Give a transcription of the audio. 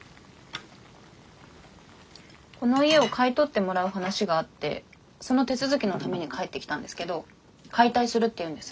この家を買い取ってもらう話があってその手続きのために帰ってきたんですけど解体するっていうんです。